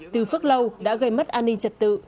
từ phước lâu đã gây mất an ninh trật tự